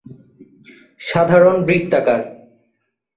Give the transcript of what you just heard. সাধারণত বৃত্তাকার।